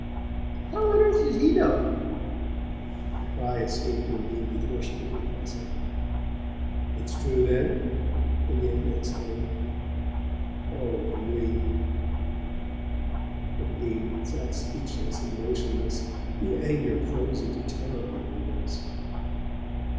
"How on earth did he know?" The cry escaped Undine before she could repress it. "It's true, then?" Indiana exclaimed. "Oh, Undine " Undine sat speechless and motionless, the anger frozen to terror on her lips.